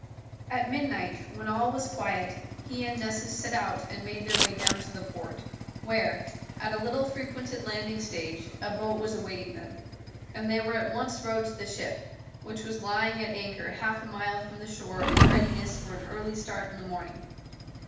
At midnight, when all was quiet, he and Nessus set out and made their way down to the port, where, at a little frequented landing stage, a boat was awaiting them, and they were at once rowed to the ship, which was lying at anchor half a mile from the shore in readiness for an early start in the morning.